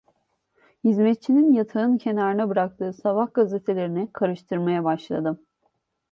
Hizmetçinin yatağın kenarına bıraktığı sabah gazetelerini karıştırmaya başladım.